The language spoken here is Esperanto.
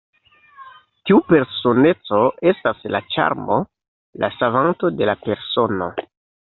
Tiu personeco estas la ĉarmo, la savanto de la persono.